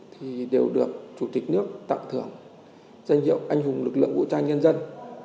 thì đều được chủ tịch nước tặng thưởng danh hiệu anh hùng lực lượng vũ trang nhân dân